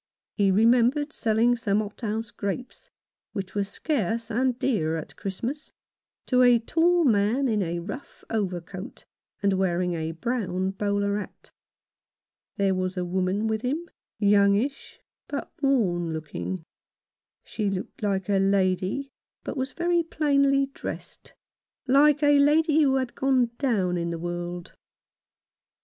He remembered selling some hothouse grapes — which were scarce and dear at Christmas — to a tall man, in a rough overcoat, and wearing a brown bowler hat. There was a woman with him, youngish, but worn looking. She looked like a lady, but was very plainly dressed — like a lady who had gone down in the world.